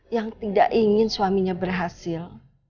yang tidak ingin suaminya berhasil